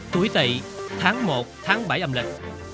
tuổi tị tháng một tháng bảy âm lịch